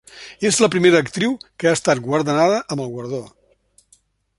És la primera actriu que ha estat guardonada amb el guardó.